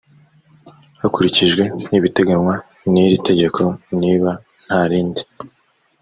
hakurikijwe ibiteganywa n iri tegeko niba nta rindi